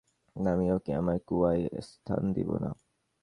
আমি ওকে আমার কুয়ায় স্থান দিব না।